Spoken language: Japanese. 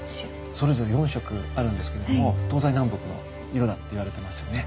それぞれ４色あるんですけれども東西南北の色だっていわれてますよね。